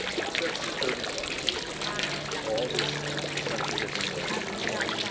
Section 35 All this time the country had been going to war.